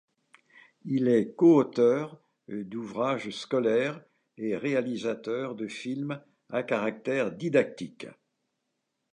Il est coauteur d'ouvrages scolaires et réalisateur de films à caractère didactique.